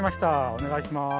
おねがいします。